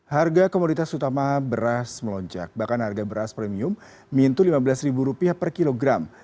harga komoditas utama beras melonjak bahkan harga beras premium mintu rp lima belas per kilogram